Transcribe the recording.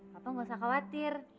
papa gak usah khawatir